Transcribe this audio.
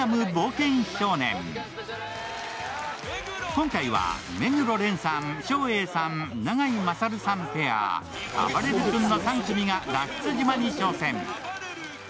今回は目黒蓮さん、照英さん、永井大さんペア、あばれる君の３組が脱出島に挑戦。